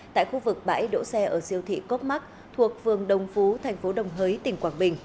tại khu vực bãi đỗ xe ở siêu thị cốc mắc thuộc vườn đồng phú tp hcm